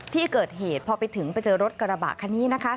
ที่เกิดเหตุพอไปถึงไปเจอรถกระบะคันนี้นะคะ